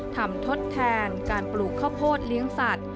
ทดแทนการปลูกข้าวโพดเลี้ยงสัตว